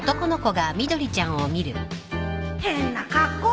変な格好！